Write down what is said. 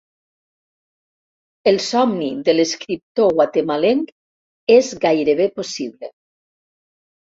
El somni de l'escriptor guatemalenc és gairebé possible.